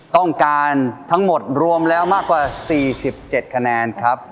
ต้องการทั้งหมดรวมแล้วมากกว่า๔๗คะแนนครับ